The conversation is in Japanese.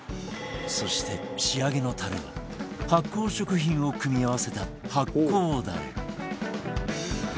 そして仕上げのタレは発酵食品を組み合わせた発酵ダレ